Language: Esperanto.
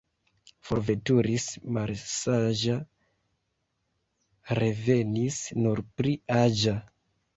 Forveturis malsaĝa, revenis nur pli aĝa.